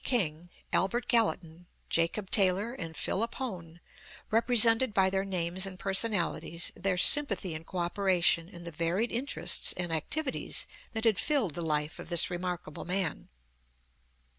King, Albert Gallatin, Jacob Taylor and Philip Hone, represented by their names and personalities, their sjonpathy and co operation in the varied interests and activities that had filled the life of this remarkable man.